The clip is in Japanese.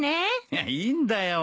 いやいいんだよ。